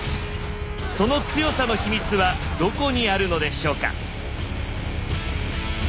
その強さの秘密はどこにあるのでしょうか。